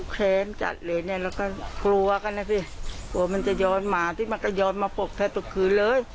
กลัวมันจะย้อนมาที่มันก็ย้อนมาปกแทนตัวคืนเลย